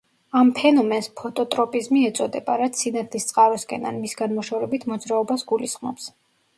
ამ ფენომენს ფოტოტროპიზმი ეწოდება, რაც სინათლის წყაროსკენ ან მისგან მოშორებით მოძრაობას გულისხმობს.